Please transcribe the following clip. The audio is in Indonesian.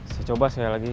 saya coba sekali lagi